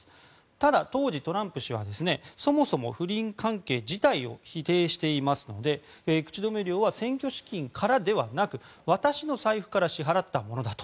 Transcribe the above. ただ、当時トランプ氏はそもそも不倫関係自体を否定していますので口止め料は選挙資金からではなく私の財布から支払ったものだと。